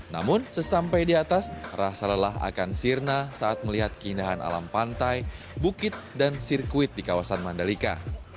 namun sesampai di atas rasa lelah akan sirna saat melihat keindahan alam pantai bukit dan sirkuit di kawasan mandalika